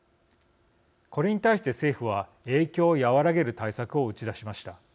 これに対して政府は影響を和らげる対策を打ち出しました。